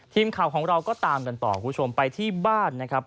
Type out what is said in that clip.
ทีมข่าวของเราก็ตามกันต่อคุณผู้ชมไปที่บ้านนะครับ